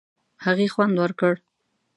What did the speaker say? هغې خوند ورکړ.